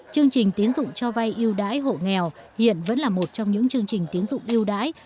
chương trình tín dụng cho vay yêu đái hộ nghèo hiện vẫn là một trong những chương trình tiến dụng yêu đãi